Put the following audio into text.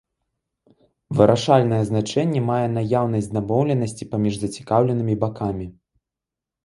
Вырашальнае значэнне мае наяўнасць дамоўленасці паміж зацікаўленымі бакамі.